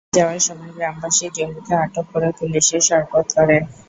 পরে পালিয়ে যাওয়ার সময় গ্রামবাসী জহিরকে আটক করে পুলিশে সোপর্দ করে।